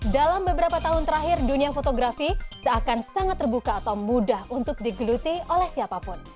dalam beberapa tahun terakhir dunia fotografi seakan sangat terbuka atau mudah untuk digeluti oleh siapapun